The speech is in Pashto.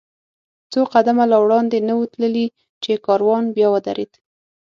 څو قدمه لا وړاندې نه و تللي، چې کاروان بیا ودرېد.